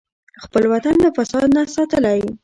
خپل وطن له فساد نه ساتلی.